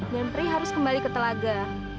dan pri harus kembali ke telaga